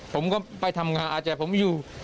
ผมก็ไปทำงานอาจจะผมไม่อยู่